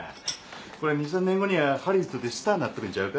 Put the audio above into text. これ２３年後にはハリウッドでスターなっとるんちゃうか。